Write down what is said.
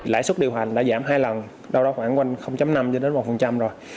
lãi suất điều hành đã giảm hai lần đâu đó khoảng năm một rồi